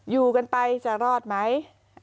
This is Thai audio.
อยู่กันไปจะรอดไหม